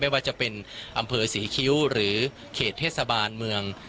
ว่าจะเป็นอำเภอศรีคิ้วหรือเขตเทศบาลเมือง